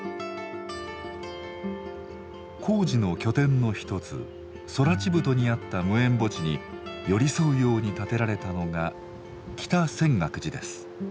工事の拠点の一つ空知太にあった無縁墓地に寄り添うように建てられたのが北泉岳寺です。